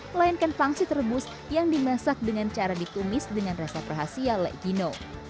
melainkan pangsit rebus yang dimasak dengan cara ditumis dengan rasa perhasia lek gino